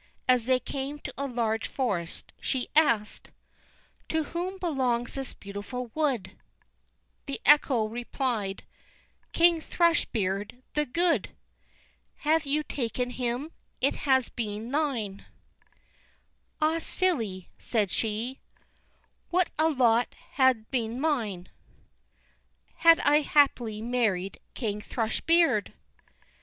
As they came to a large forest, she asked: "To whom belongs this beautiful wood?" The echo replied: "King Thrush beard the good! Had you taken him, it had been thine." "Ah, silly," said she, "What a lot had been mine Had I happily married King Thrush beard!"